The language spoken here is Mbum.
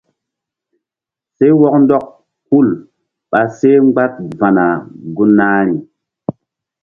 Seh wɔk ndɔk hul ɓa seh mgba va̧na gun nahi.